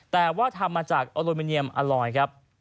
แต่ว่าทำมาจากอลูมิเนียมอร่อยครับ